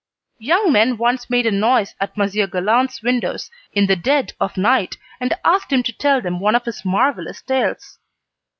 Young men once made a noise at Monsieur Galland's windows in the dead of night, and asked him to tell them one of his marvellous tales.